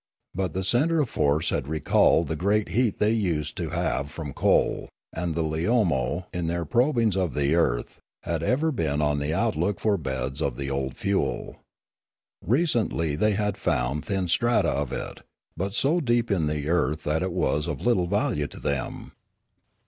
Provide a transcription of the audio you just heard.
But the centre of force had recalled the great heat they used to have from coal, and the Leomo, in their probings of the earth, had ever been on the outlook for beds of the old fuel. Recently they had found thin strata of it, but so deep in the earth that it was of little value to them.